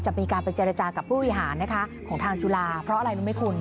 จะมีการไปเจรจากับผู้บริหารนะคะของทางจุฬาเพราะอะไรรู้ไหมคุณ